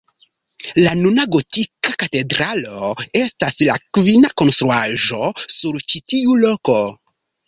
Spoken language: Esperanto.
La nuna gotika katedralo estas la kvina konstruaĵo sur ĉi tiu loko.